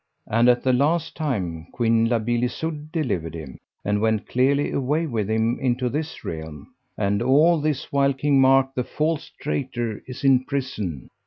And at the last time Queen La Beale Isoud delivered him, and went clearly away with him into this realm; and all this while King Mark, the false traitor, is in prison.